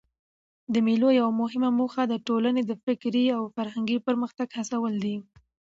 د مېلو یوه مهمه موخه د ټولني د فکري او فرهنګي پرمختګ هڅول دي.